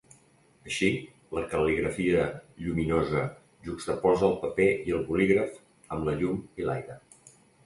Així, la cal·ligrafia lluminosa juxtaposa el paper i el bolígraf amb la llum i l’aire.